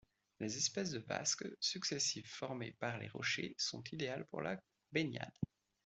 Les espèces de vasques successives formées par les rochers sont idéales pour la baignade.